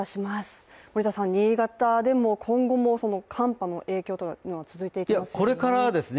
新潟でも今後も寒波の影響が続いていきますよね。